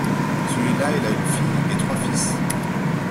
Celui-là il a une fille et trois fils.